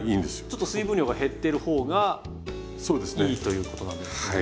ちょっと水分量が減ってる方がいいということなんですね。